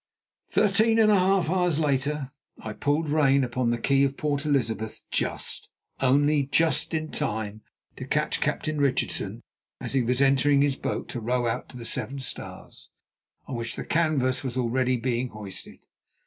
Thirteen and a half hours later I pulled rein upon the quay of Port Elizabeth just, only just, in time to catch Captain Richardson as he was entering his boat to row out to the Seven Stars, on which the canvas was already being hoisted.